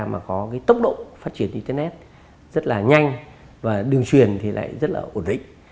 mà có tốc độ phát triển internet rất là nhanh và đường truyền rất là ổn định